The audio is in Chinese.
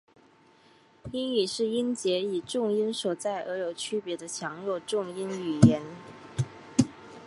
英语是音节以重音所在而有区别的强弱重音语言。